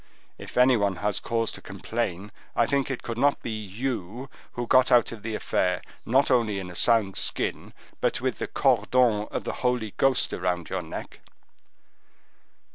If any one has cause to complain, I think it could not be you, who got out of the affair not only in a sound skin, but with the cordon of the Holy Ghost around your neck."